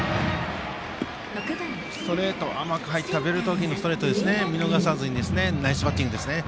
甘く入ったベルト付近のストレートを見逃さずにナイスバッティングですね。